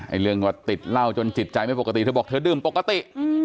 เรื่องว่าติดเหล้าจนจิตใจไม่ปกติเธอบอกเธอดื่มปกติ